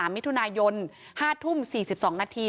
มิถุนายน๕ทุ่ม๔๒นาที